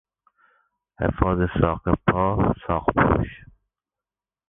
حفاظ ساق پا، ساقپوش